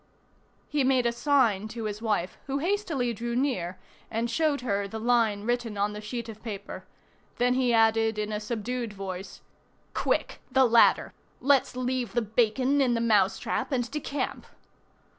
He made a sign to his wife, who hastily drew near, and showed her the line written on the sheet of paper, then he added in a subdued voice:— "Quick! The ladder! Let's leave the bacon in the mousetrap and decamp!"